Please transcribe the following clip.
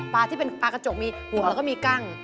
ปลากระจกหัวแล้วก็มีกัง